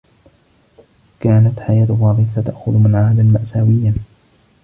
كانت حياة فاضل ستأخذ منعرجا مأساويّا.